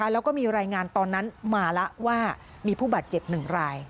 แล้วก็มีรายงานตอนนั้นมาแล้วว่ามีผู้บาดเจ็บ๑ราย